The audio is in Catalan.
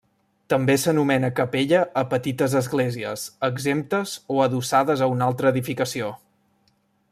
També s'anomena capella a petites esglésies, exemptes o adossades a una altra edificació.